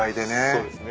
そうですね。